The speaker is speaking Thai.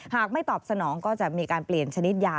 ไม่ตอบสนองก็จะมีการเปลี่ยนชนิดยา